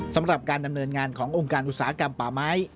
สำหรับการดำเนินงานขององค์การอุตสาหกรรมป่าไม้